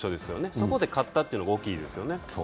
そこで勝ったというのが大きいですよね。